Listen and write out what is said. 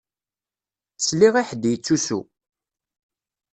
Sliɣ i ḥedd yettusu.